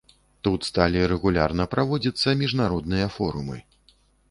Тут сталі рэгулярна праводзіцца міжнародныя форумы.